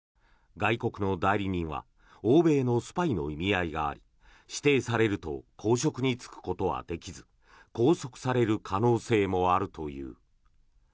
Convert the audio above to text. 外国の代理人は欧米のスパイの意味合いがあり指定されると公職に就くことはできず拘束される可能性もあるという。